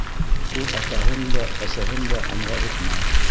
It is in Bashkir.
Ул атаһын да, әсәһен дә һанға һуҡмай.